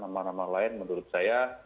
nama nama lain menurut saya